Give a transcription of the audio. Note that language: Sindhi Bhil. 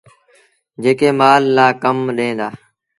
جيڪي مآل لآ ڪم ڏيݩ ديٚݩ۔